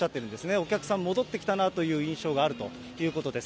お客さん、戻ってきたなという印象があるということです。